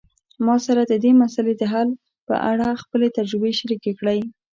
ما سره د دې مسئلې د حل په اړه خپلي تجربي شریکي کړئ